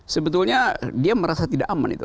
sebetulnya dia merasa tidak aman itu